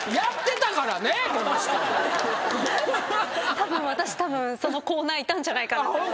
たぶん私そのコーナーいたんじゃないかな。